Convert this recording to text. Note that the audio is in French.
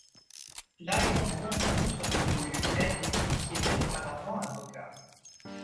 Là il rencontre un autre détenu, Ed Levy qui était auparavant avocat.